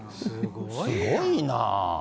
すごいなあ。